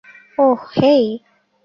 ওহ, হেই।